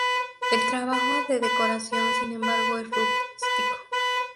El trabajo de decoración, sin embargo, es rústico.